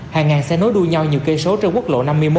hàng ngàn xe nối đuôi nhau nhiều cây số trên quốc lộ năm mươi một